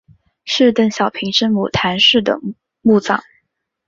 是邓小平生母谈氏的墓葬。